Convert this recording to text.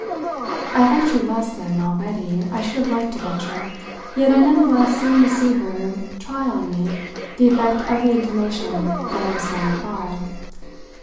I ventured less than, already, I should have liked to venture; yet I none the less seemed to see her try on me the effect of the intimation that I was going far.